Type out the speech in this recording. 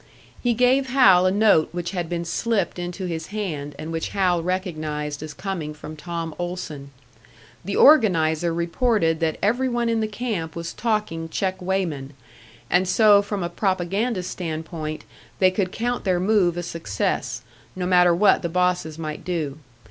He gave Hal a note which had been slipped into his hand, and which Hal recognised as coming from Tom Olson. The organiser reported that every one in the camp was talking check weighman, and so from a propaganda standpoint they could count their move a success, no matter what the bosses might do.